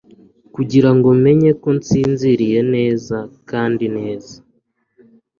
kugirango menye neza ko nsinziriye neza kandi neza